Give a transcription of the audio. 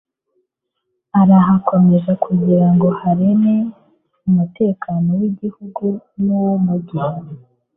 arahakomeza kugira ngo haremye umutekano w'igihugu n'uw'umugi